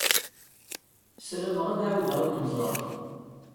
Sarameɣ ad ɛiwdeɣ ad ken-ẓṛeɣ.